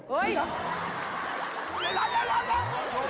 กลับลง